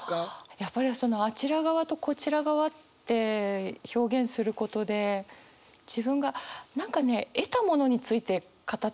やっぱりその「あちら側」と「こちら側」って表現することで自分が何かね得たものについて語ってない感じがするんですよね。